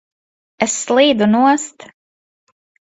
Es slīdu nost!